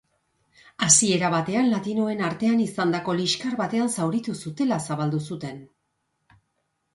Hasiera batean, banda latinoen artean izandako liskar batean zauritu zutela zabaldu zuten.